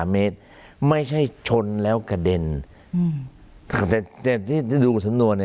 ๖๑๓เมตรไม่ใช่ชนแล้วกระเด่นแต่ติดูสำนวน